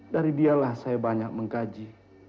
dari dialah saya banyak mengkaji